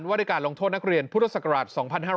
วัดฬิการหลงโทษนักเรียนพุทธศักราช๒๕๔๘